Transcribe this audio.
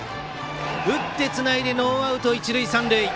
打ってつなぎノーアウト一塁三塁。